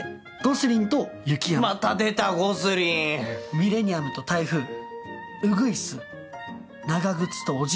『ミレニアムと台風』『うぐいす』『長靴とおじいさん』。